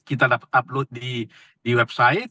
kita upload di website